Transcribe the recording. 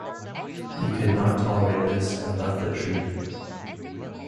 He could not tolerate this and left the troupe.